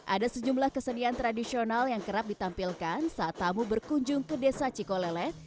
ada sejumlah kesenian tradisional yang kerap ditampilkan saat tamu berkunjung ke desa cikolele